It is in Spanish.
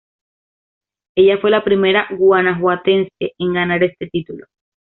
Ella fue la primera Guanajuatense en ganar este título.